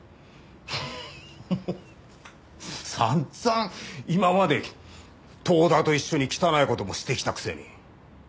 フフフ散々今まで遠田と一緒に汚い事もしてきたくせに。